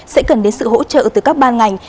sẽ cần đến sự hỗ trợ từ các ban ngành